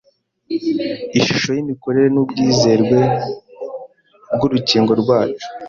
ishusho y’imikorere n’ubwizerwe bw’urukingo rwacu,